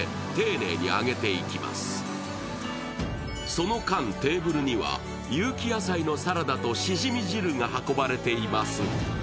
その間、テーブルには有機野菜のサラダとしじみ汁が運ばれています。